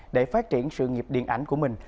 để phát triển sự nghiệp điện ảnh của mình